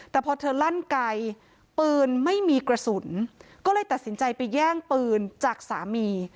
แต่พอเธอลั่นไกลปืนไม่มีกระสุนก็เลยตัดสินใจไปแย่งปืนจากสามี